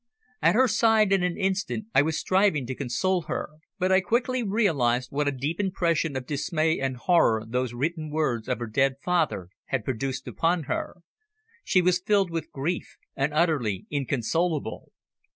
At her side in an instant I was striving to console her, but I quickly realised what a deep impression of dismay and horror those written words of her dead father had produced upon her. She was filled with grief, and utterly inconsolable.